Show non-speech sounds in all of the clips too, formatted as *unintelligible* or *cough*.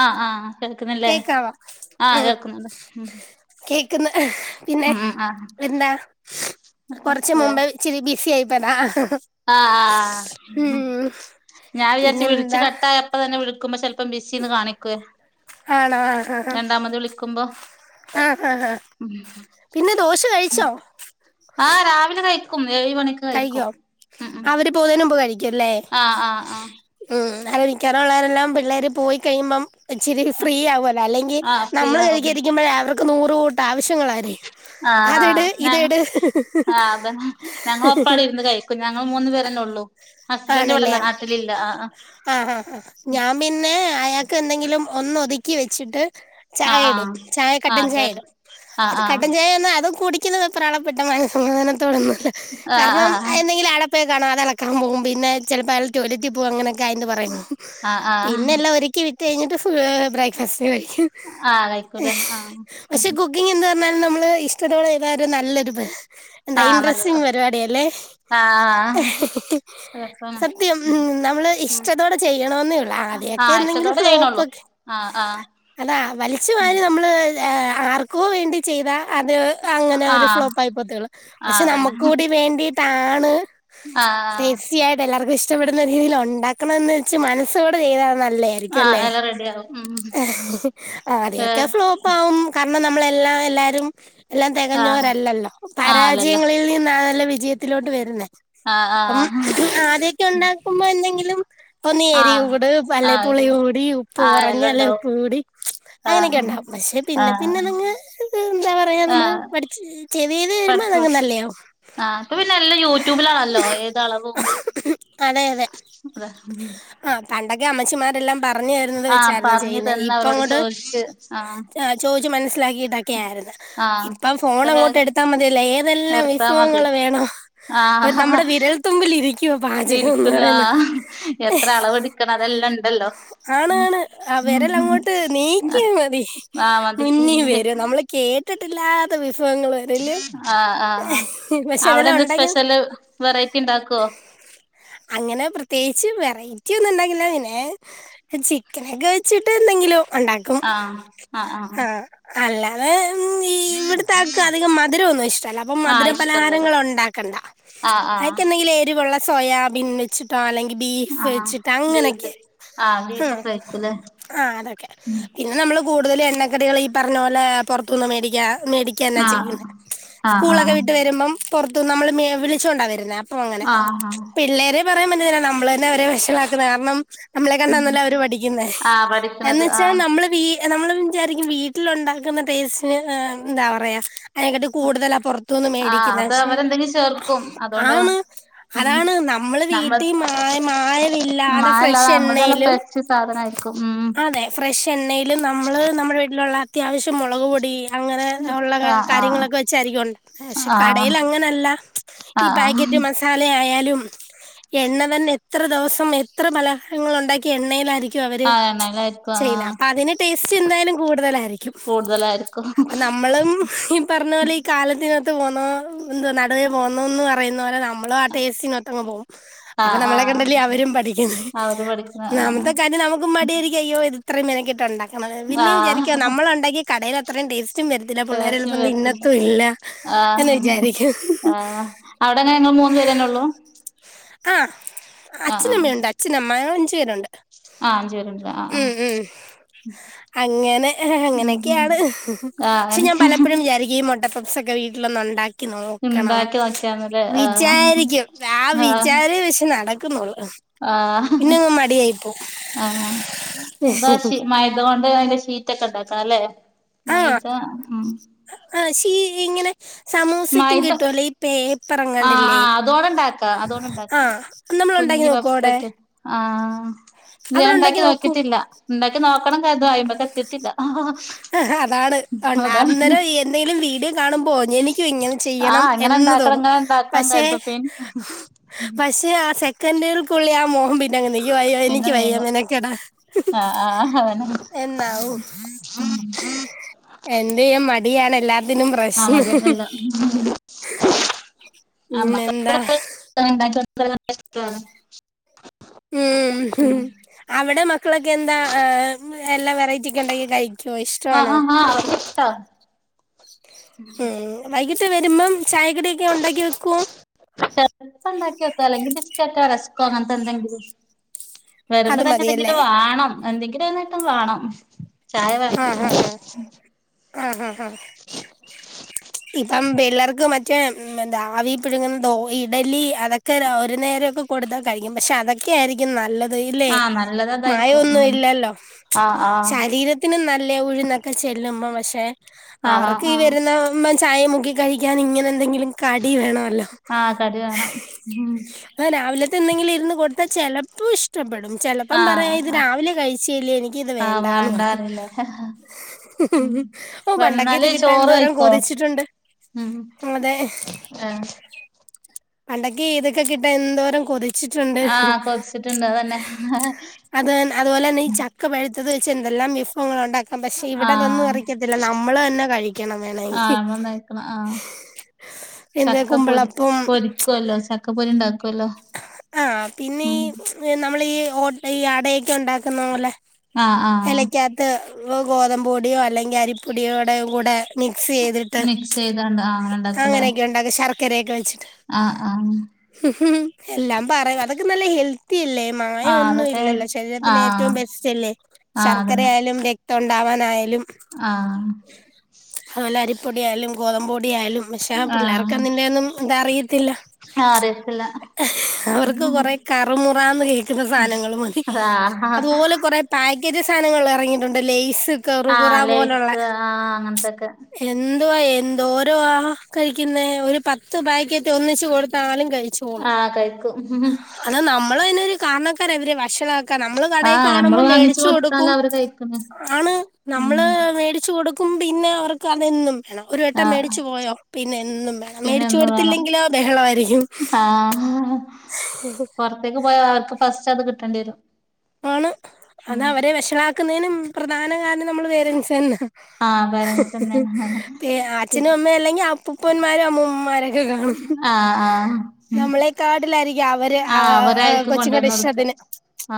ആഹ് ആഹ് കേൾക്കുന്നില്ലേ കേക്കാവോ ആഹ് കേൾക്കുന്നുണ്ട് ഹും കേക്കുന്നെ എഹ് പിന്നെ എന്താ കുറച്ച് മുമ്പ് *unintelligible* ഇച്ചിരി ബിസി ആയിപ്പതാ ആഹ് ആഹ് ഉം ഞാൻ വിചാരിച്ച് വിളിച്ച് പിന്നെന്താ കട്ടായപ്പോ തന്നെ വിളിക്കുമ്പോ ചെൽ ഇപ്പം ബിസിന്ന് കാണിക് ആണോ രണ്ടാമത് വിളിക്കുമ്പോ ആഹ് ഹാ ഹാ പിന്നെ ദോശ കഴിച്ചോ ആഹ് രാവിലെ കഴിക്കും ഏഴ് മണി കഴിക്കോ അവര് പോകുന്നതിനുമുമ്പ് കഴിക്കുല്ലേ. ആഹ് ആഹ് ആഹ് ഉം അവരിക്കറ ഉള്ളവരെല്ലാം പിള്ളേര് പോയി കഴിയുമ്പം ച്ചിരി ആഹ് ഫ്രീ ആവുല്ലോ? അല്ലെങ്കിൽ ആഹ് ഫ്രീ നമ്മള് ആവും കഴിക്കഇരിക്കുമ്പോഴ് അവർക്ക് നൂറ് കൂട്ട ആവശ്യങ്ങളാരി ആഹ് ആഹ് ഞങ്ങള് ആ അതന്നെ ഞങ്ങളൊ ഇപ്പാട്ഇരുന്ന് കഴിക്കും. ഞങ്ങൾ മൂന്ന് പേരന്നെള്ളൂ. ഹസ്ബൻഡ് ആണല്ലേ ഇവിടെല്ല ആ നാട്ടിലില്ല ആഹ് ആ പിന്നേ അയാക്ക് എന്തെങ്കിലും ഒന്നൊതുക്കി വെച്ചിട്ട് ആഹ് ചായ ഇടും ആഹ് ചായ ആഹ് കട്ടൻ ആഹ് ചായ ചേട്ടൻ ഇടും ആഹ് അത് ആഹ് കട്ടൻ ചായ എന്നാ അതും കുടി നിക്കുന്നത് *unintelligible* മനസമാധാനത്തോടൊന്നുല്ല ആഹ് കാരണം *unintelligible* ആഹ് പ്പെ കാണാ അതെളക്കാൻ പോവും പിന്നെ ചെലപ്പോ അയാൾ ടോയലറ്റിൽപോവും അങ്ങനെ *unintelligible* ആഹ് ആഹ് പിന്നെല്ലാം ഒരിക്കി വിറ്റ് കഴിഞ്ഞിട്ട് ഫു ബ്രേക്ക്ഫാസ്റ്റ് കഴിക്കും ആഹ് കഴിക്കൂലേ ആഹ് *unintelligible* എന്ന് പറഞ്ഞാല് നമ്മള് ഇഷ്ടത്തോടെ ചെയ്താരു നല്ലൊരു ഇത്. ആഹ് മതി മ പരിപാടിയല്ലേ ആഹ് രസാണ് സത്യം ഉം നമ്മള് ഇഷ്ടത്തോടെ ചെയ്യണോന്നേ ഒള്ളൂ ആ ഇയാക്കെന്തെങ്കിലും ഫ്ലോപ്പക്കെ ആഹ്ആഹ് അതാ വലിച്ചു വാരി നമ്മള് ആർക്കോ വേണ്ടി ചെയ്താ അത് അങ്ങനെ ഒരു ആഹ് ഫ്ലോപ്പ് ആയിപ്പോവത്തെ ഒള്ളു ആഹ് പക്ഷെ അതന്നെ നമുക്ക് കൂടി വേ എന്തിട്ടാണ്‌ ആഹ് ആ *unintelligible* എല്ലാർക്കും ഇഷ്ടപ്പെടുന്ന രീതിൽ ഉണ്ടാക്കണം വെച്ച് മനസ്സുടെ ചെയ്താണ് നല്ലേ ക്കല്ലേ ആഹ് എല്ലാം റെഡിയാവും ഉം ഏ ആഹ് ആദ്യൊക്കെ വേറെ ഫ്ലോപ്പ പ്പം കാരണം നമ്മള എല്ല എല്ലാരും എല്ലാം ആഹ് തികഞ്ഞോരല്ലല്ലോ ആഹ് അല്ലല്ല പരാജയങ്ങളിൽ നിൻ അതാണല്ലോ വിജയത്തിലോട്ട് വരുന്നേ ആഹ് അം ആഹ് ആദ്യൊക്കെ ഉണ്ടാക്കുമ്പോ എന്തെങ്കിലും അപ്പൊ നേരി ആഹ് കൂട് പല്ലേ ആഹ് പുളി ഒരു കൂടി ഉപ്പ് ആഹ് കുറഞ് എല്ലാം അല്ലേ ഇണ്ടാവും ഉപ്പ് കൂടി അങ്ങനെയൊക്കെ ആഹ് ഉണ്ടാ പക്ഷെ പിന്നെ ആഹ് പിന്നെ നിങ്ങ എന്താ പറയാ നമ്മള് ആഹ് പഠിച്ച് *unintelligible* പഠിച്ചു പഠിച്ചു വരുമ്പോഅതങ്ങനല്ലയാവും ആഹ് ഇപ്പൊപിന്നെ എല്ലം യൂട്യൂ യട്യൂബിലാളല്ലോ ഏത് അളവും അഹ് പണ്ടൊക്കെ അമ്മച്ചിമാരെല്ലാം പറഞ്ഞു വരുന്നത് ആഹ് വെച്ചായിരുന്നു പറഞ്ഞു ചെയ്യുന്നത് തന്ന് ഇപ്പ അവരോട് ഇങ്ങോട്ട് ചോദിച്ച് ആഹ് അ ചോദിച്ചു മനസ്സിലാക്കിയിട്ടൊക്കെ ആയിരുന്നു ആഹ് ഇപ്പം ഫോണങ്ങോട്ടെടുത്താ മതിയല്ലോ ഏതെല്ലാം വിഭ അത് മതി ഏണോ ആഹ് ഹ ഹ പാചകം എന്ന് ഇരിക്ക്ണ് പറയുന്നത് ആഹ് എത്ര അളവ്ട് ക്കണതെല്ലണ്ടല്ലോ ഉം ആണാണ് ആ വിരൽ അങ്ങോട്ട് നീക്കിയാ മതി ആഹ് മതി മുന്നീ നമ്മള് കേട്ടിട്ടില്ലാത്ത വിഭവങ്ങള് ആഹ് ആഹ് ആഹ് അവിടെ അതെല്ലാം എന്താ സ്പെഷ്യല് ഉണ്ടാക്കി വെറൈറ്റിണ്ടാക്കോ അങ്ങനെ പ്രത്യേകിച്ച് വെറൈറ്റി ഒന്നും ഉണ്ടാക്കില്ല ഇനെ. ചിക്കനൊക്കെ വെച്ചിട്ട് എന്തെങ്കിലും ഉണ്ട ആഹ് ആഹ് ആഹ് അല്ല അത് ഇവിടുത്തെ ആൾക്ക് അധികം മധുരന്നും ഇഷ്ടല്ല അപ്പൊ ആഹ് മധുരം ഇഷ്ടല്ലല്ലേ നാരങ്ങളുങ്ങാക്കണ്ട ആഹ് ആഹ് അയ്ക്കെന്തെങ്കിലും എരിവുള്ള സോയാബീൻ വെച്ച് ട്ടോ അല്ലെങ്കി ബീഫ് ആഹ് വെച്ചിട്ട് ബീഫ് അങ്ങനൊക്കെ ആഹ് ഉം ബീഫൊക്കെ കഴിക്കൂലേ ആഹ് അതൊക്കെ പിന്നെ നമ്മള് കൂടുതൽ എണ്ണക്കടികൾ ഈ പറഞ്ഞ പോലെ പുറത്തുന്ന് മേടിക്ക മേടി ക്കഎന്നാ ആഹ് ചെയ്യ്ന്നേ ആഹ് സ്കൂളൊക്കെ ആഹ് വിട്ട് വരുമ്പം പൊർത്ത്ന്ന് നമ്മള് മേ വിളിച്ചോണ്ടാ വരുന്നേ അപ്പ ഓ അങ്ങനെ ആഹ് ആഹ് പിള്ളേരെ പറയാൻ പറ്റുന്നില്ല നമ്മള് തന്നെ അവരെ വഷളാക്കുന്നത് കാരണം നമ്മളെ കണ്ടന്നല്ലേ അവര് പഠിക്ക്ന്നേ ആ എന്ന് പഠിക്കണത് ആ വെച്ചാ നമ്മള് വീ ഏനമ്മള് വിചാരിക്കും വീട്ടിലുണ്ടാക്കുന്ന ടേസ്റ്റിന് ഏ ആ എന്താ പറയ്യാ അയിനെക്കാട്ടി കൂടുതലാ പൊർ തുന്ന് ആ മേടിക്കുന്ന അത് ക്ഷെ അവരെന്തെങ്കിലും ചേർക്കും അതുകൊണ്ടാണ് ആണ് ഉം അതാണ് നമ്മൾ. നമ്മ വീട്ടീ മായ മായമില്ലാതെ മഴല്ലാതെ ഫ്രഷ് നമ്മ നല്ല എണ്ണയിലും പച്ച സാധനായിരിക്കും ഉം അതെ ഫ്രഷ് എണ്ണയിലും നമ്മള് നമ്മുടെ വീട്ടിലുള്ള അത്യാവശ്യം മുളക് പൊടി. അങ്ങനെ ഉള്ള ആ ആ കാര്യങ്ങളൊക്കെ വെച്ചായിരിക്കുംണ്ട് പക്ഷേ ആ കടയിലങ്ങനല്ല ആ ഈ ആ പാക്കറ്റ് മസാ ച്ചാല് ആയാലും എണ്ണതന്നെ എത്ര ദിവസം എത്ര പലഹാരങ്ങളുണ്ടാക്കി എണ്ണയിലായിരി ക്കു അവര് ആ എണ്ണയിലായിരിക്കും ആ ചെയ്യുന്നേ അപ്പ അതിന് ടേസ്റ്റ് എന്തായാലും കൂടുതലായിരിക്കും കൂടുതലായിരിക്കും നമ്മളും ഹ് ഇപറഞ്ഞ പോലെ ഈ കാലത്തിനൊത്ത് പോന്നോ എന്താ നടുവേ പോന്നോ എന്ന് പറയുന്ന പോലെ നമ്മ മ്മളും ആ ടെസ്റ്റിനൊത്തങ്ങ് പോവും ആ അപ്പൊ ആ നമ്മളെ കണ്ടല്ലേ അവരും പഠിക്കുന്നെ അവര് പഠിക്കുന്ന ആ നമ്മത്തെ കാര്യം നമുക്ക് മടിയായിരിക്ക അയ്യോ ത് അത്രയും മെനക്കിട്ട് ഉണ്ടാക്കണം പിന്നെ ആ വിചാരിക്കും നമ്മളൊണ്ടാക്കി കടയിലത്രയും ടേസ്റ്റും വരും പിന്നെ പ്പിള്ളേരുള്ളപ്പൊ തിന്നത്തുല്ല ആഹ്ആഹ് അവിടെങ്ങ ഞങ്ങൾ മൂന്നു പേരന്നെ ഉള്ളൂ. ആഹ് അച്ഛനമ്മയുണ്ട് അച്ഛനമ്മ ഞങ്ങള് അഞ്ചു പേരുണ്ട് ആഹ് അഞ്ചുപരുണ്ട്ല്ല ആഹ് ഉം ആഹ് ഉം അങ്ങനെ ഉം ഉം അങ്ങനെയൊക്കെയാണ് ആഹ് പക്ഷേ ഞാൻ അങ്ങനൊക്കെ പലപ്പഴും വിചാരിക്കും ഈ മുട്ടപപ്സൊക്കെ വീട്ടിലൊന്നൊണ്ടാക്കി നോക്കണം ഇണ്ടാക്കി നോക്കിയാന്നല്ലേ ആഹ് വിചാരിക്കും ആ ആഹ് വിചാരി പക്ഷേ നടക്കുന്നുള്ളു പിന്നെ ആഹ് അങ്ങ് മടിയായിപ്പോ ആഹ് *unintelligible* മയ അതുകൊണ്ട് അയ്ന്റെ ശീറ്റൊക്കെണ്ടാക്കണല്ലേ മൈത ഉം അഹ് ആഹ് ശീ ഇങ്ങനെ സമൂസക്കും മൈദ കിട്ടുവല്ലോ ഇ പേപ്പർ ആഹ് ങ്ങാണ്ടില്ലേ ആഹ് അതോണ്ട് ഇണ്ടാക്കാ അതോണ്ട് ഇണ്ടാക്കാ ആഹ് നമ്മള ഉണ്ടാക്കി കുഞ്ഞ് നോക്ക അടെ പപ്സൊക്കെ ആഹ് ഇല്ല ഞാൻ ഇണ്ടാക്കി നോക്കൂ നോക്കിട്ടില്ല ഉണ്ടാക്കി നോക്കണം കരുതും അയ്മക്ക് എത്തിട്ടില്ല അ ഹ ആഹ്, അതാണ് ഹ ഉണ്ട- അതാണ്. അന്നേരം എന്തെങ്കിലും വീഡിയോ കാണുമ്പോ എനിക്കും ഇങ്ങനെ ചെയ്യണം ആഹ് എന്ന് അങ്ങനെണ്ടാക്കണം തോന്നും ഇങ്ങനെണ്ടാ പക്ഷേ *unintelligible* പക്ഷെ ആ സെക്കൻകൾകുള്ളി ആ മോഹം പിന്നെങ്ങന്നെ യ്യോ അയ്യോ പിന്നെ എനിക്ക് വയ്യ നീങ്ങും നിനക്കെടാ ആഹ് ആഹ് അതന്നെ എന്നാവു എന്ത്യ്യാമടിയാണ് എല്ലാ *unintelligible* പിന്നെന്തൊ ഹ് ത ഇണ്ടാക്കിയൊട്ത്താല് പറ്റോ ഉം അവിടെ മക്കളൊക്കെ എന്താ ആ എല്ലാ വെറൈറ്റി ഒക്കെ ഉണ്ടാക്കി കഴിക്കും ആ റ്റോയിഷ്ടാണോ ആ ആ അവർക്ക് ഇഷ്ടാ ഉം വൈകിട്ട് വരുമ്പം ചായക്കടിയൊക്കെ ഉണ്ടാക്കി വെക്കും ചെൽപ്പം ഉണ്ടാക്കികൊട്ക്കും അല്ലെങ്കിൽ ബിസ്ക്കറ്റോ റസ്ക്കോ അങ്ങന് ത്തെ ന്തെങ്കിലും വരുമ്പോ അത് തന്നെ മതിയല്ലേ എന്തെങ്കിലും വാണം എന്തെങ്കിലും ഒന്നേതും വാണം ആഹ് ഹാ ഹാ ആഹ് ഹ ഹാ ഇപ്പം പിള്ളേർക്ക് മറ്റേ പിഴുങ്ങുന്നോ ഇഡ്ഡലി അതൊക്കെ ഒരു നേരമൊക്കെ കൊടുത്താൽ കഴിക്കും പക്ഷെ അതൊക്കെ ഇതൊക്കെ ആയിരിക്കും നല്ലത് ഇല്ലെ ആ നല്ലത് അതായിരിക്കും മായമൊന്നും ഉം ഇല്ലല്ലോ ആ ആ ശരീര നല്ല ഉഴന്നൊക്കെ ചെല്ലുമ്പോ പക്ഷെ ആ ആ അവർക്ക് ആ ഈ വരുന്ന ചായേ മുക്കി കഴിക്കാൻ ഇങ്ങനെ എന്തെങ്കിലും കടി വേണവല്ലോ ആ കടി വേണം ഉം ആഹ് രാവിലത്തെ എന്തെങ്കിലും ഇരുന്ന് കൊടുത്താൽ ചിലപ്പോൾ ഇഷ്ട ഇഷ്ടപ്പെടും ചെലപ്പം ആ പറയും ഇത് രാവിലെ കഴിച്ചി ല്ലേ എനിക്ക്ത് വേണ്ടാ ന്ന് പറിം ഓ പണ്ടൊക്കെ വന്നാൽ ഇത് കിട്ടാൻ ചോർ എന്തോരം കഴിക്കോ കൊതിച്ചിട്ടുണ്ട് ഉം ആഹ് പണ്ടൊക്ക് ഈതൊക്കെ കിട്ടാ എന്തോരം കൊതി വെച്ചിട്ടുണ്ട് ആഹ് കൊതിച്ചിട്ടുണ്ട് അതന്നെ അത്പോലെ തന്നെ ക്ക പഴുത്തത് വെച്ച് എന്തല്ലാം വിഫവങ്ങളാ ഉണ്ടാക്കുന്നത് പക്ഷെ ഇവിടതൊന്നും ആഹ് ഇറക്കത്തില്ല നമ്മൾ തന്നെ കഴിക്കണം വേണമെങ്കിൽ ആഹ് നന്നായിക്കണം ആഹ് പിന്നെ കുമ്പളപ്പം ആക്കുവല്ലോ ചക്കപ്പൊരി ഉണ്ടാക്കല്ലോ ആഹ് പിന്നെ ഈ നമ്മള് ഈ ഓ ഈ അടയൊക്കെ ഇണ്ടാക്കുന്നപോലെ ആഹ് ആഹ് എലക്കാ ത്ത് ഗോതമ്പ് പൊടിയോ അല്ലെങ്കിൽ അരിപ്പൊടിയോടെ കൂടെ മിക്സ് ചെയ്ത് മിക്സ് ചെയ്തോണ്ട് അങ്ങനെ ഉണ്ടാക്കൂല്ലേ ഉം ശക്കരെക്കെവെച്ചിട്ട് ആഹ് ആഹ് ഉം ഉം എല്ലാം പറയും അതൊക്കെ നല്ല ഹെൽത്ത് ഇല്ല ആഹ് മായമൊന്നും അതൊക്കെ ഇല്ലല്ലോ ശരീരത്തിന് ഏറ്റവും ആഹ് ബെസ്റ്റ്ല്ലേ ആഹ് അതന്നെ ശർക്കരയാലും തൊണ്ടാവാനായാലും ആഹ് അതുപോലെ അരിപ്പൊടിയായാലും ഗോതമ്പുപൊടിയായാലും പക്ഷെ ആഹ് പിള്ളേർക്ക് അതിൻ്റെയൊന്നും എന്താ അറിയത്തില്ല ആറ്യാത്തില്ല അവർക്ക് കുറെ കറുമുറാന്ന് കേൾക്കുന്ന സാധനങ്ങൾ മതി ആഹ് അതുപോലെ കുറേ പായ്ക്കേജ് സാധനങ്ങൾ ഇറങ്ങിയിട്ടുണ്ട് ലെയ്സ് ആ ലേയ്സ് ആ അങ്ങനത്തൊക്കെ എന്താ എന്തോരോ ആഹ് കഴിക്കുന്നേ ഒരു പത്ത് പാക്കറ്റ് ഒന്നിച്ച് കൊടുത്താലും കഴിച്ചോളു ആഹ് കഴിഞ്ഞു അത് നമ്മൾ തന്നെ ഒരു കാരണക്കാരാ ഇവര് വഷളാക്കന് നമ്മള് കടേ ആഹ് നമ്മള് കാണുമ്പോൾ വാങ്ങിച്ചു മേടിച്ചു കൊടുക്കും കൊടുത്താലവര് കഴിക്കണ് ആണ് നമ്മള് ഉം മേടിച്ചു കൊടുക്കും ക്കും പിന്നെ അവർക്ക് അതെന്നും വേണം ഒരു വട്ടം ആഹ് മേടിച്ചു പോയോ പിന്നെ എന്നും വേണം പിന്നെ മേടിച്ചു എന്ന് വേണം കൊടുത്തില്ലെങ്കിലോ ബഹളമായിരിക്കും ആഹ് *inaudible* പുറത്തേക്ക് പോയാ ആൾക്ക്‌ ഫസ്റ്റ് അത് കിട്ടേണ്ടിയെരും ആണ് അത് അവരെ വഷളക്കുന്നതിന് മുമ്പ് പ്രധാന കാരണം നമ്മൾ പേരൻ്റ്സ് തന്നെ ആഹ് പേരൻസ് തന്നെയാണ് അച്ഛനും അമ്മ അല്ലെങ്കിൽ അപ്പുപ്പന്മാരും അമ്മൂമ്മമാരൊക്കെ കാണും ആഹ് ആഹ് ഉം നമ്മളെക്കാട്ടിലായിരിക്കും അവർ ആഹ് അവരായിരിക്കും കൊച്ചിങ്ങടെ കൊണ്ടുവന്ന് ഇഷ് കൊടുക്ക അദിന്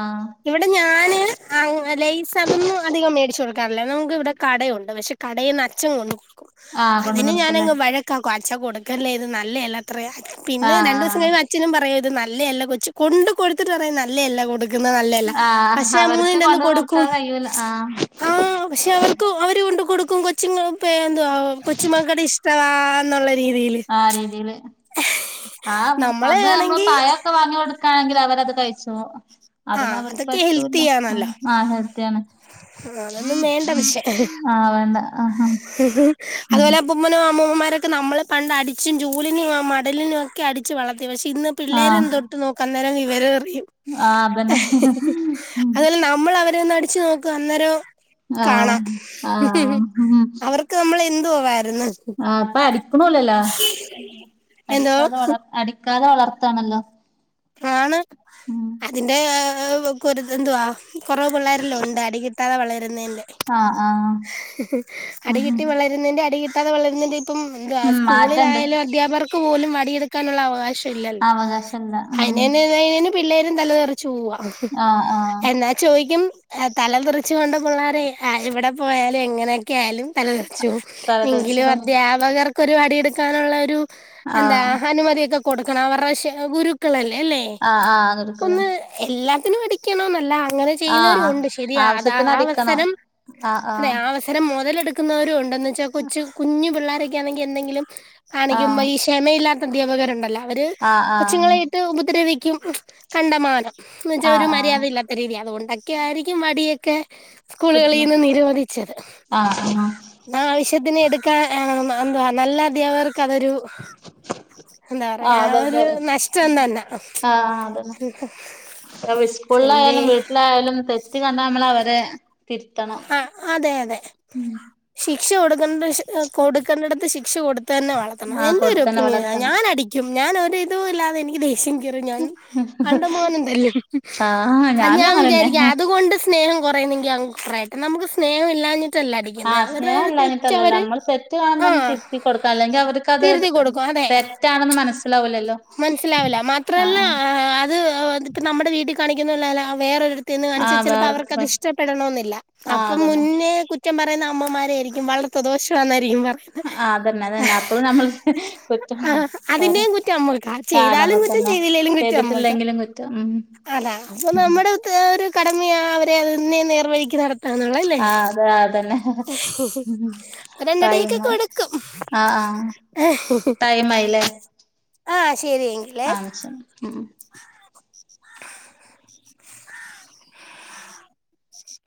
ആഹ് ഇവിടെ ഞാന് ആഹ് ലൈസ് അതൊന്നും അധികം മേടിച്ച് കൊടുക്കാറില്ല നമുക്ക് വിടെ കടയുണ്ട് പക്ഷെ കടേന്ന് അച്ചൻ കൊണ്ട്കൊട്ക്കും ആഹ് കൊണ്ടുവന്ന് അതിന് കൊടുക്കുംല്ലേ ഞാനങ്ങ് വഴക്കാക്കും അച്ചാ കൊടുക്കല്ലേ ഇത് നല്ല അത്ര പിന്നെ രണ്ടു ദിവസം ആഹ് കഴിഞ്ഞ അച്ചിച്ചനും പറയും ഇത് നല്ല അല്ല കൊച്ചു കൊണ്ട് കൊടുത്തിട്ട് പറയും നല്ല കൊടുക്കു ക്ക്ന്നെ നല്ലേ അല്ല ആഹ് ആഹ് പക്ഷെ അവർക്ക് മൂന്നിന്റന്ന് കൊണ്ടുവന്ന് കൊടുക്കു കൊടുക്കാൻ കഴിയൂല ആഹ് ആഹ് പക്ഷെ അവർ ആര് കൊണ്ട് കൊടുക്കും കൊച്ചുങ്ങൾക്ക് എന്തുവാ കൊച്ചു മക്കുടെ ഇഷ്ടവാ എന്നുള്ള രീതിയിൽ ആഹ് രീതിയിൽ ആഹ് നമ്മളെ അത് നമ്മൾ ആണെങ്കി പഴ ക്കെ വാങ്ങി കൊടുക്കുക്കാണെങ്കിൽ അവരത് കഴിച്ചോളും അതൊന്നും ആഹ് അവർക്ക് അതൊക്കെ പറ്റൂല്ല ആഹാ ഹെൽത്തിയാണല്ലോ മാങ്ങ ഹെൽത്തിയാണ് അതൊന്നും വേണ്ട പഷേ ആഹ് വേണ്ട ആഹ് ഉം അതുപോലെ ഉമ്മനും അമ്മൂമ്മമാരൊക്കെ നമ്മളെ പണ്ട് അടിച്ചും ചൂലിനും മടലിനുക്കെ അടിച്ച് വളർത്തി പക്ഷേ ഇന്ന് പിള്ളേർ ആഹ് എന്തൊട്ട് നോക്കാ അന്നേരം വിവരം അറിയും ആഹ് അതന്നെ അതല്ല നമ്മൾ അവരെ ഒന്ന് അടിച്ചു നോക്ക്‌ അന്നേരം ആഹ് കാണാം ആഹ് ഉം അവർ നമ്മൾ എന്തോവായിരുന്ന് ആഹ് അപ്പ അടിക്കണമില്ലല്ല എന്തോ അടിക്കാതെ അടിക്കാതെ വളർത്താണല്ലോ ആണ് ഉം അതിന്റെ എന്തുവാ കുറവ് പിള്ളേരെല്ലാം ഉണ്ട് അടി വളരുന്നന്റെ ആഹ് ആഹ് അടി ഉം കിട്ടി വള പേരാന്റ്ൻന്റെ അടി കിട്ടാതെ വളരുന്നന്റെ ഇപ്പം അ ഉം മാറ്റണ്ട് സ്കൂളിലായാലും അധ്യാകർക്ക് പോലും വടിയെടുക്കാനുള്ള അവകാശം ഇല്ല ഇല്ല അവകാശല്ല ഉം *unintelligible* പിള്ളേരും തലതെറിച്ച് പോവാ ആഹ് ആഹ് എന്ന ചോയിക്കും തലതെറിച്ചുകൊണ്ട് പിള്ളേരെ എവിടെ പോയാലും എങ്ങനെ എന്തൊക്കെയായാലും തല തെറിച്ചു പോവും എങ്കിലും തലതെറിച്ചതും അദ്ധ്യാപകർക്കൊരു പണിയെടുക്കാനുള്ള ഒരു എന്താ ആഹ് അനുമതിയൊക്കെ കൊടുക്കണം അവരുടെ ഗുരുക്കളല്ലേ അല്ലേ ആഹ് ആഹ് കൊടുക്കൂലേ ഒന്ന് എല്ലാത്തിനും അടിക്കണ എന്നല്ല അങ്ങനെ ആഹ് ചെയ്യുന്നവരുമുണ്ട് ശരിയാ അതാ ആവശ്യത്തിന് ആഹ് അടിക്കണം അവസരം ആഹ് അതെ ആഹ് ഇത് മുതലെടുക്കുന്നരും ഉണ്ടെന്ന് വെച്ചാൽ കൊച്ചു കുഞ്ഞു പിള്ളരൊക്കൊണെങ്കിൽ എന്തെങ്കിലും കാണിക്കുമ്പോ ആഹ് ക്ഷമയില്ലാത്ത അദ്ധ്യാപകരുണ്ടല്ലോ അവര് ആഹ് ആഹ് കൊച്ചുങ്ങളെയിട്ട് ഉപദ്രവിക്കും കണ്ടമാനം എന്ന വെച്ചാ ഒരു ആഹ് ആഹ് മര്യാദയില്ലാത്ത രീതി അതുകൊണ്ടൊക്കി ആയിരിക്കും മടിയൊക്കെ കിട്ടണ സ്കൂളുകളിൽന്ന് നിരോധിച്ചത് ആഹ് ആഹ് ആവശ്യത്തിന് എടുക്കാ ഏഹ് എന്തുവാ നല്ല അധ്യാകർക്ക് അതൊരു എന്താ പറയാ ആഹ് അതൊക്കെ ഒര് നഷ് ആഹ് അതന്നെ സ്കൂളിലായാലും എന്തെ വീട്ടിലാ- എന്തായാലും തെറ്റ് കണ്ടാ നമ്മൾ അവരെ തിരുത്തണം ആഹ് അതെ അതെ ഉം ശിക്ഷ കൊടുക്കണ്ട് കൊടുക്കേണ്ടട്ത്ത് ശിക്ഷ കൊടു തന്നെ വളർത്തണം ആഹ് എന്റെ ഒരു കൊടുത്തന്നെ ഒപ്പിനിയനാണ് വളർത്തണം ഞാനടിക്കും ഞാനൊരിതൂല്ലാതെ എനിക്ക് ദേഷ്യം കിർ ഞൻ കണ്ടമാനം തല്ലും. ആഹ് ഞാനും ഞാൻ അങ്ങനെന്നെ വിചാരിക്കും അത് കൊണ്ട് സ്നേഹം കുറുയു ന്നെങ്കിൽ കുറയട്ടെ നമക്ക് സ്നേ ഹം ഇല്ലാ ഞ്ഞി ട്ടല്ല അടിക്കുന്നെ ആഹ് സ്നേഹം ഇല്ലാഞ്ഞിട്ടല്ലല്ലോ അങ്ങനൊരുതെറ്റവര് നമ്മൾ തെറ്റ് കാണുമ്പോ ആ ഒന്ന് തിരുത്തി കൊടുക്കാം അല്ലെങ്കിൽ അവർക്കത് തിരുത്തി കൊടുക്കും അതെ തെറ്റാണെന്ന് മനസ്സിലാവൂലല്ലോ മനസിലായില്ല മാത്രമല്ല ആഹ് ആഹ് ആ അത് ഇപ്പ നമ്മുടെ വീട്ടിൽ കാണിക്കുന്ന വേറൊരിടത്ത് നിന്ന് കാണിച്ചാ ആഹ് ചിലപ്പോ വേറെടുത്ത് അവർക്കത് പോയി ഇഷ്ടപ്പെടണമെന്നില്ല ആഹ് അപ്പം അതന്നെ മുന്നേ കുറ്റം പറയുന്ന അമ്മമാരെ യായിരിക്കും വളർത്ത് ദോഷാ ന്നായിരിക്കും പറ ആ അതന്നെ അതന്നെ അപ്പഴും നമ്മൾ കൊത്തും പിന്നേം കുറ്റം നമുക്കാ ചെയ്താലും കുറ്റം ചെയ്തില്ലെലും കുറ്റം അമ്മൾക്കാ ചെയ്തിട്ടില്ലെങ്കിലും കുറ്റം ഉം അതാ അപ്പൊ നമ്മുടെ അത് ഒരു കടമയാ അവരെ അങ്ങ് നേർവഴിക്ക് നടത്ത തള്ളല്ലേ ആഹ് അതെ അതന്നെ ഉം അപ്പ രണ്ടടി യൊക്കെ ടൈമായി കൊടുക്കും ആഹ് ആഹ് ടൈമായില്ലേ ആഹ് ശരി ആഹ് പഷേ ഉം